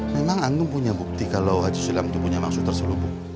memang anda punya bukti kalau haji sulam itu punya maksud terselubung